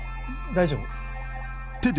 大丈夫？